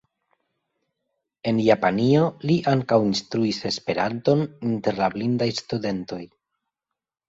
En Japanio li ankaŭ instruis Esperanton inter la blindaj studentoj.